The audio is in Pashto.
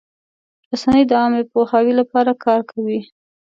رسنۍ د عامه پوهاوي لپاره کار کوي.